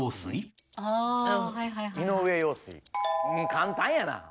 簡単やな。